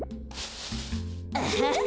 アハハ。